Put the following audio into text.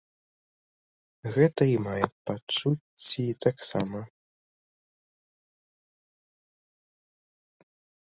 Гэта і мае пачуцці таксама.